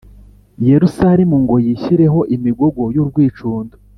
Yerusalemu ngo yishyireho imigogo y urwicundo